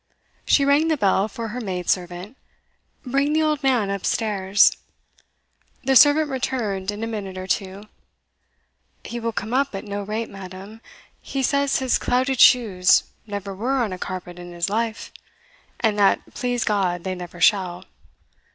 She rang the bell for her maid servant. "Bring the old man up stairs." The servant returned in a minute or two "He will come up at no rate, madam; he says his clouted shoes never were on a carpet in his life, and that, please God, they never shall.